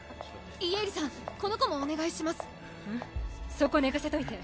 そこ寝かせといて。